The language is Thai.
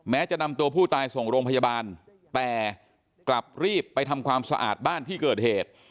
จะนำตัวผู้ตายส่งโรงพยาบาลแต่กลับรีบไปทำความสะอาดบ้านที่เกิดเหตุ